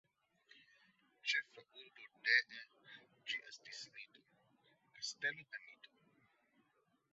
Ĉefa urbo dee ĝi estis Nitro, Kastelo de Nitro.